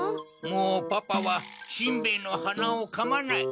もうパパはしんべヱのはなをかまない。